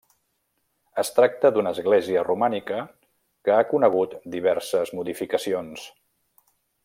Es tracta d'una església romànica que ha conegut diverses modificacions.